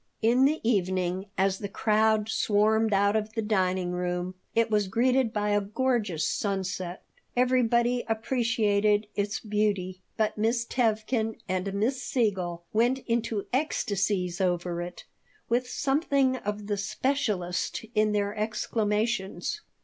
In the evening, as the crowd swarmed out of the dining room, it was greeted by a gorgeous sunset. Everybody appreciated its beauty, but Miss Tevkin and Miss Siegel went into ecstasies over it, with something of the specialist in their exclamations.